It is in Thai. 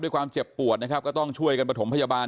ความเจ็บปวดนะครับก็ต้องช่วยกันประถมพยาบาล